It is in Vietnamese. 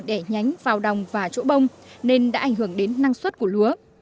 để nhánh vào đồng và chỗ bông nên đã ảnh hưởng đến năng suất của lúa